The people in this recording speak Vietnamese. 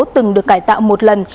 từng được cải tạo một lần